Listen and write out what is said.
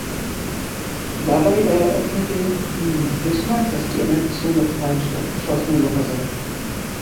Dabei eröffnete ihm Bismarck, dass die Annexion der Freien Stadt beschlossene Sache sei.